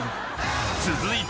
［続いて］